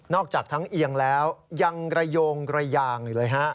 นอกจากทั้งเอียงแล้วยังไรโยงไรยางเลยฮะ